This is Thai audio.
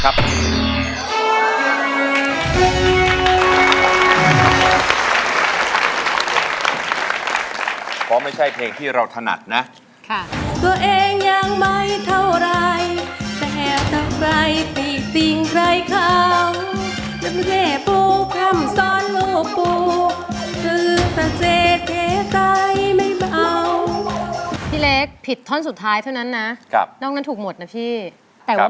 เพราะไม่ใช่เพลงที่เราถนัดนะค่ะตัวเองยังไม่เท่าไหร่แต่ถ้าใครติดติงใครเข้า